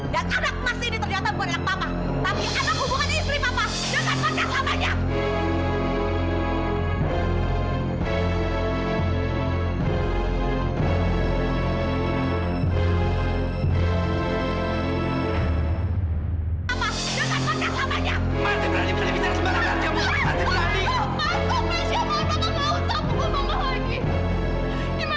dan anak emas ini ternyata bukan anak papa